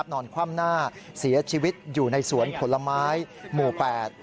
นอนคว่ำหน้าเสียชีวิตอยู่ในสวนผลไม้หมู่แปด